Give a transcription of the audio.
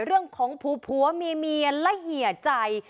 เรื่องของผัวเมียและเหยียใจ